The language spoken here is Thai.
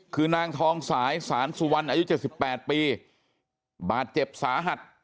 คือนางทองสายสารสุวรรณอายุ๗๘ปีบาดเจ็บสาหัส